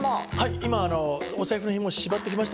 今、お財布のひもを縛っておきました。